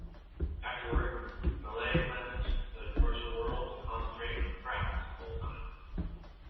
Afterwards, Mallett left the commercial world to concentrate on Frazz full-time.